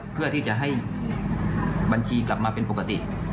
เพื่อที่จะให้บัญชีกลับมาเป็นปกติ